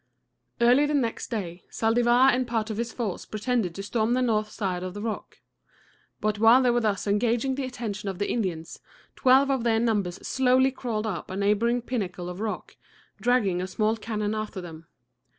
Early the next day, Zaldivar and part of his force pretended to storm the north side of the rock. But while they were thus engaging the attention of the Indians, twelve of their number slowly crawled up a neighboring pinnacle of rock, dragging a small cannon after them.